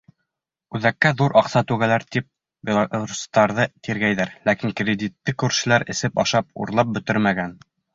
Үҙәккә ҙур аҡса түгәләр, тип белорустарҙы тиргәйҙәр, ләкин кредитты күршеләр эсеп-ашап, урлап бөтөрмәгән.